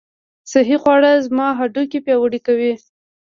صحي خواړه زما هډوکي پیاوړي کوي.